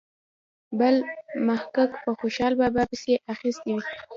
بل محقق په خوشال بابا پسې اخیستې وي.